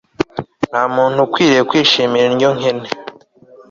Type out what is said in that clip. nta muntu ukwiriye kwishimira indyo nkene